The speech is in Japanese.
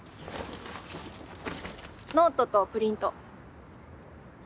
ノートとプリント。